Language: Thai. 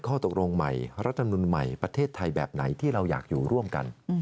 ข้อตกลงใหม่รัฐมนุนใหม่ประเทศไทยแบบไหนที่เราอยากอยู่ร่วมกัน